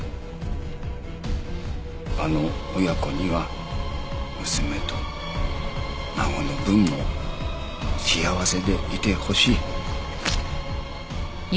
あの親子には娘と孫の分も幸せでいてほしい。